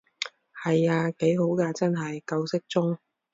係啊，幾好㗎真係，夠適中